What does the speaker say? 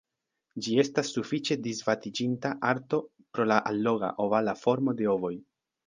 Ĝi estas sufiĉe disvastiĝinta arto pro la alloga, ovala formo de ovoj.